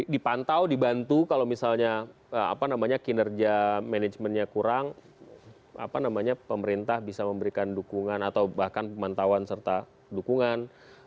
dipantau dibantu kalau misalnya kinerja manajemennya kurang pemerintah bisa memberikan dukungan atau bahkan pemantauan serta dukungan